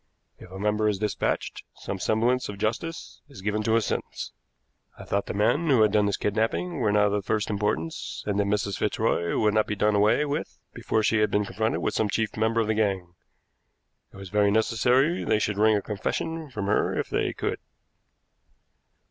If a member is dispatched, some semblance of justice is given to his sentence. I thought the men who had done the kidnapping were not of the first importance, and that Mrs. Fitzroy would not be done away with before she had been confronted with some chief member of the gang. It was very necessary they should wring a confession from her if they could."